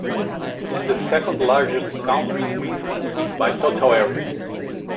It is the second-largest county in Wisconsin by total area.